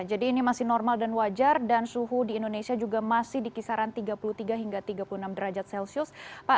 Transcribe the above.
jadi ini masih normal dan wajar dan suhu di indonesia juga masih di kisaran tiga puluh tiga hingga tiga puluh enam derajat celcius